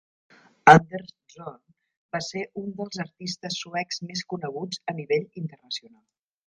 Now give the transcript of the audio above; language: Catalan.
Anders Zorn va ser un dels artistes suecs més coneguts a nivell internacional.